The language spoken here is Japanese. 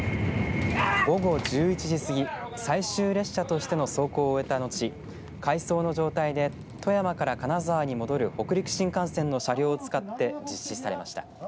午後１１時過ぎ最終列車としての走行を終えたのち回送の状態で富山から金沢に戻る北陸新幹線の車両を使って実施されました。